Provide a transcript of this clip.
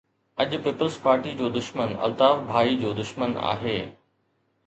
اڄ peoples party جو دشمن الطاف ڀائي جو دشمن آهي